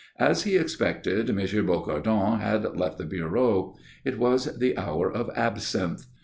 As he expected, M. Bocardon had left the bureau. It was the hour of absinthe.